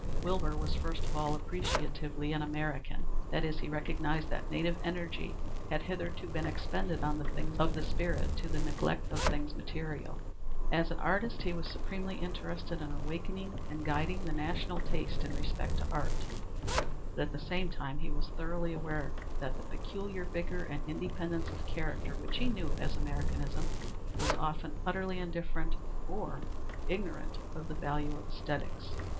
Wilbur was first of all appreciatively an American. That is he recognized that native energy had hitherto been expended on the things of the spirit to the neglect of things material. As an artist he was supremely interested in awakening and guiding the national taste in respect to art, but at the same time he was thoroughly aware that the peculiar vigor and independence of character which he knew as Americanism was often utterly indifferent to, or ignorant of, the value of æsthetics.